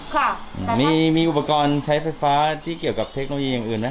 ค่ะมีมีอุปกรณ์ใช้ไฟฟ้าที่เกี่ยวกับเทคโนโลยีอย่างอื่นไหม